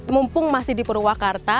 mumpung masih di purwakarta